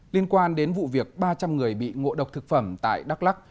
liên quan đến vụ việc ba trăm linh người bị ngộ độc thực phẩm tại đắk lắc